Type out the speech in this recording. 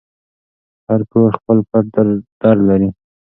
هر کور خپل پټ درد لري.